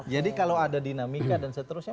jadi kalau ada dinamika dan seterusnya